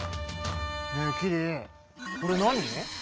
ねえキリこれ何？